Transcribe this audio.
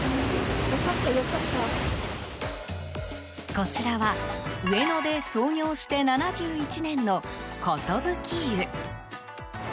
こちらは上野で創業して７１年の寿湯。